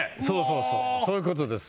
そうそういうことです